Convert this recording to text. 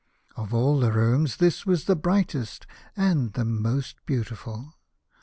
Of all the rooms this was the brightest and the most beautiful.